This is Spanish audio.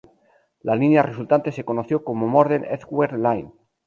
La línea resultante se conoció como Morden-Edgware Line.